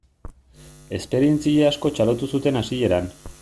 Esperientzia asko txalotu zuten hasieran.